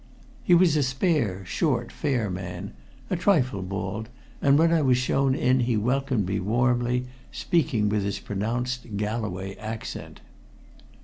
He was a spare, short, fair man, a trifle bald, and when I was shown in he welcomed me warmly, speaking with his pronounced Galloway accent.